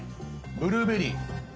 ブルーベリー。